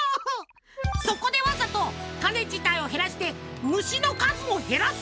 そこでわざと種自体を減らして虫の数も減らすんだ。